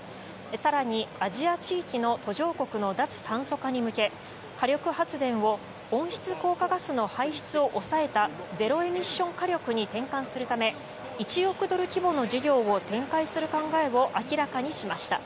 更に、アジア地域の途上国の脱炭素化に向け火力発電を温室効果ガスの排出を抑えたゼロエミッション火力に転換するため１億ドル規模の事業を展開する考えを明らかにしました。